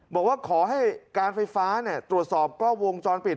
บอกว่าขอให้การไฟฟ้าตรวจสอบกล้องวงจรปิด